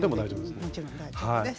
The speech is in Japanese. もちろん大丈夫です。